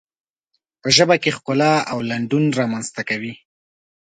په ژبه کې ښکلا او لنډون رامنځته کوي.